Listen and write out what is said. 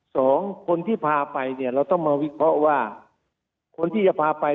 สองคนที่พาไปเนี่ยเราต้องมาวิเคราะห์ว่าคนที่จะพาไป